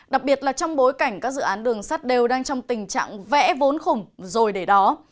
đặc biệt là trong bối cảnh các dự án đường sắt đều đang trong tình trạng vẽ vốn khủng rồi để đó